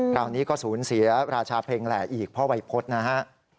คราวนี้ก็สูญเสียราชาเพลงแหล่อีกพ่อวัยพฤษนะฮะ